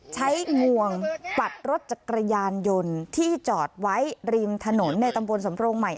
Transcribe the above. งวงปัดรถจักรยานยนต์ที่จอดไว้ริมถนนในตำบลสำโรงใหม่